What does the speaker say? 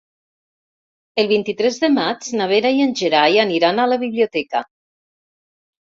El vint-i-tres de maig na Vera i en Gerai aniran a la biblioteca.